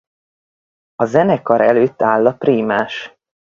A zenekar előtt áll a prímás.